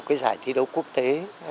cái giải thi đấu quốc tế